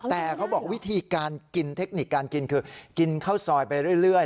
แต่เขาบอกวิธีการกินเทคนิคการกินคือกินข้าวซอยไปเรื่อย